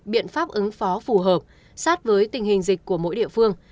biện pháp ứng phó phù hợp sát với tình hình dịch của mỗi địa phương